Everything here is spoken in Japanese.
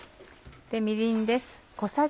みりんです。